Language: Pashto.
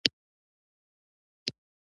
سندره د ژوند نغمه ده